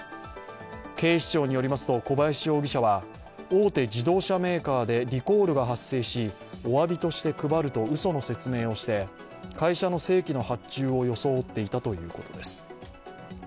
警視庁によりますと小林容疑者は大手自動車メーカーでリコールが発生しおわびとして配ると、うその説明をして、会社の正規の発注を装っていたということです。